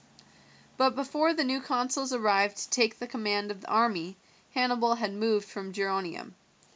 But before the new consuls arrived to take the command of the army Hannibal had moved from Geronium.